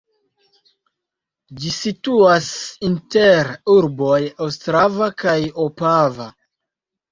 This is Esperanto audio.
Ĝi situas inter urboj Ostrava kaj Opava.